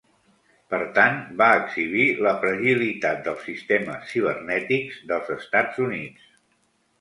Per tant, va exhibir la fragilitat dels sistemes cibernètics dels Estats Units.